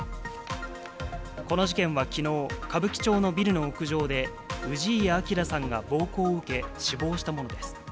この事件はきのう、歌舞伎町のビルの屋上で、氏家彰さんが暴行を受け、死亡したものです。